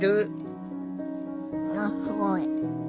あらすごい。